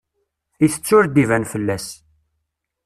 Itett ur d-iban fell-as.